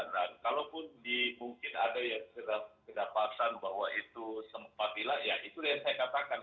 nah kalaupun mungkin ada yang kedapatan bahwa itu sempat hilang ya itu yang saya katakan